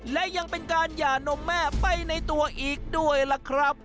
และยังเป็นการหย่านมแม่ไปในตัวอีกด้วยล่ะครับ